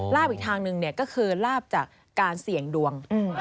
อีกทางหนึ่งก็คือลาบจากการเสี่ยงดวง